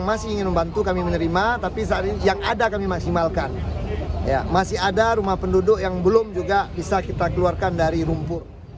masih ada rumah penduduk yang belum juga bisa kita keluarkan dari rumpur